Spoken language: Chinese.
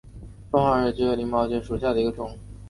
中华耳蕨为鳞毛蕨科耳蕨属下的一个种。